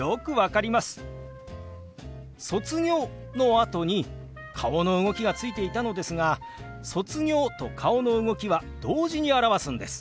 「卒業」のあとに顔の動きがついていたのですが「卒業」と顔の動きは同時に表すんです。